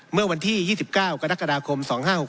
เมื่อวันที่๒๙กรกฎาคม๒๕๖๖